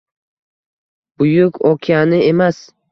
Buyuk okeani emas